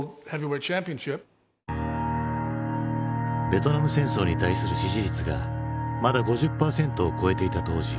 ベトナム戦争に対する支持率がまだ５０％を超えていた当時。